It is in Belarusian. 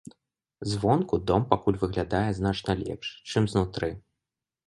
Звонку дом пакуль выглядае значна лепш, чым знутры.